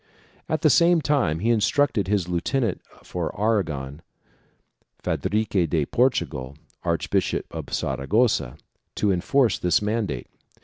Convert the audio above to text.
At the same time he instructed his lieu tenant for Aragon, Fadrique de Portugal, Archbishop of Sara gossa, to enforce this mandate.